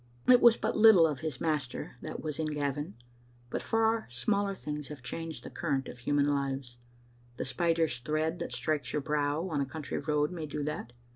It was but little of his Master that was in Gavin, but far smaller things have changed the current of human lives; the spider's thread that strikes our brow on a country road may do that.